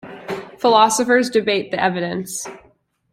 Philosophers Debate the Evidence.